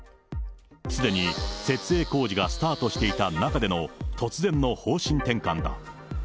すでに設営工事がスタートしていた中での、突然の方針転換だ。